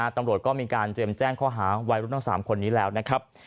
ตำรวจก็มีการเตรียมแจ้งข้อหาวัยรุ่นทั้ง๓คนนี้แล้วนะครับ